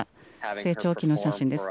成長期の写真です。